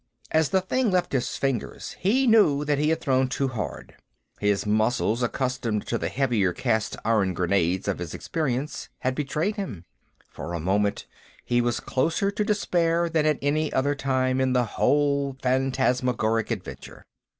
As the thing left his fingers, he knew that he had thrown too hard. His muscles, accustomed to the heavier cast iron grenades of his experience, had betrayed him. For a moment, he was closer to despair than at any other time in the whole phantasmagoric adventure.